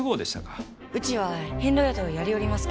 うちは遍路宿をやりよりますき。